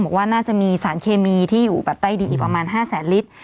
บอกว่าน่าจะมีสารเคมีที่อยู่แบบใต้ดินอีกประมาณ๕แสนลิตร